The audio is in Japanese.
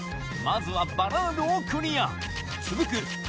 まずは「バラード」をクリア続く